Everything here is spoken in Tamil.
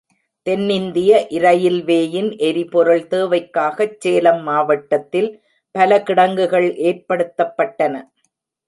தென்னிந்திய இரயில்வேயின் எரிபொருள் தேவைக்காகச் சேலம் மாவட்டத்தில் பல கிடங்குகள் ஏற்படுத்தப்பட்டன.